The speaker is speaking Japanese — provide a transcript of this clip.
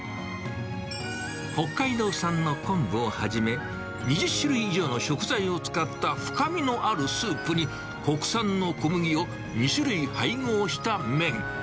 北海道産の昆布をはじめ、２０種類以上の食材を使った深みのあるスープに、国産の小麦を２種類配合した麺。